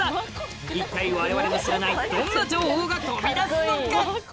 一体われわれの知らないどんな情報が飛び出すのか？